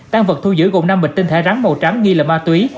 tan vật thu giữ gồm năm bịch tinh thể rắn màu trắng nghi là ma túy